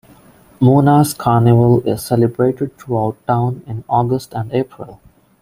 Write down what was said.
Muna's Carnaval is celebrated throughout town in August and April.